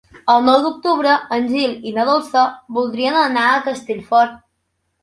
El nou d'octubre en Gil i na Dolça voldrien anar a Castellfort.